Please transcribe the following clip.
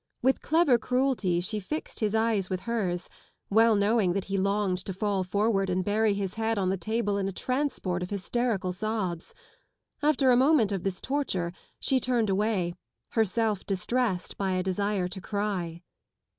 With clever cruelty she fixed his eyes with hers, well knowing that he longed to fall forward and bury his head on the table in a transport of hysterical sobs. After a moment of this torture she turned away, herself distressed by a desire to cry.